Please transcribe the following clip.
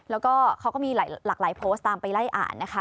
แล้วก็เขาก็มีหลากหลายโพสต์ตามไปไล่อ่านนะคะ